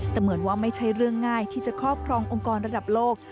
แต่เหมือนว่าไม่ใช่เรื่องง่ายที่จะครอบครององค์กรระดับโลก